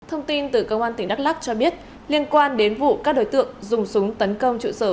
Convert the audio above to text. thông tin từ công an tỉnh đắk lắc cho biết liên quan đến vụ các đối tượng dùng súng tấn công trụ sở